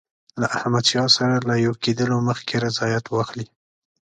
له احمدشاه سره له یو کېدلو مخکي رضایت واخلي.